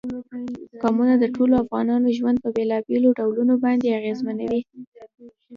قومونه د ټولو افغانانو ژوند په بېلابېلو ډولونو باندې اغېزمنوي.